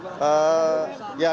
tadi sempat ada yang disebutkan ya pak